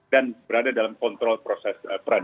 dan berada dalam kontrol proses peradilan